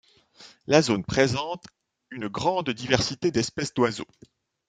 La zone présente une grande diversité d’espèces d’oiseaux.